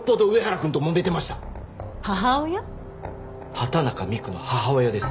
畑中美玖の母親です。